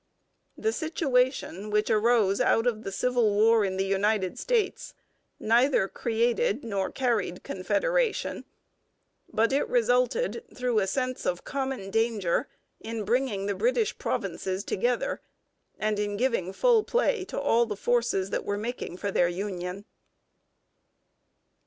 The situation which arose out of the Civil War in the United States neither created nor carried Confederation, but it resulted, through a sense of common danger, in bringing the British provinces together and in giving full play to all the forces that were making for their union.